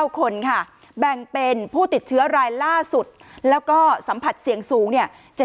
๙คนค่ะแบ่งเป็นผู้ติดเชื้อรายล่าสุดแล้วก็สัมผัสเสี่ยงสูงเนี่ย